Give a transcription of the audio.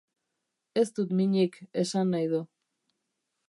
Ez dut minik, esan nahi du.